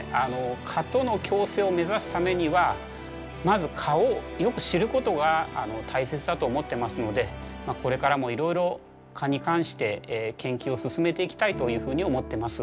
蚊との共生を目指すためにはまず蚊をよく知ることが大切だと思ってますのでこれからもいろいろ蚊に関して研究を進めていきたいというふうに思ってます。